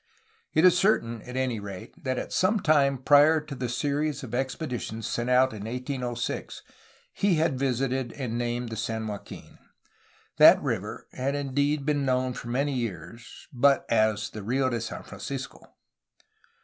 It is certain, at any rate, that at some time prior to the series of expeditions sent out in 1806 he had visited and named the San Joaquin. That river had indeed been known for many years, but as the "Rfo de San Francisco."